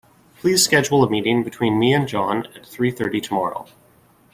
Please schedule a meeting between me and John at three thirty tomorrow.